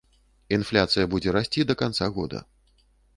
Інфляцыя будзе расці да канца года.